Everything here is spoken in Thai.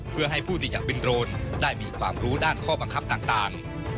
เพื่อให้ผู้ที่อยากเป็นโรนได้มีความรู้ด้านข้อบังคับต่าง